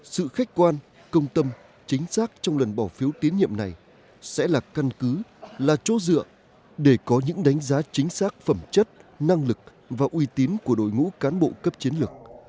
sự khách quan công tâm chính xác trong lần bỏ phiếu tín nhiệm này sẽ là căn cứ là chỗ dựa để có những đánh giá chính xác phẩm chất năng lực và uy tín của đội ngũ cán bộ cấp chiến lược